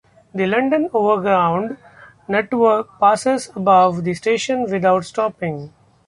The London Overground network passes above the station without stopping.